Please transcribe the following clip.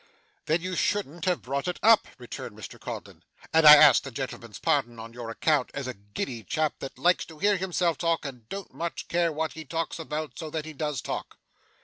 'Then you shouldn't have brought it up,' returned Mr Codlin; 'and I ask the gentleman's pardon on your account, as a giddy chap that likes to hear himself talk, and don't much care what he talks about, so that he does talk.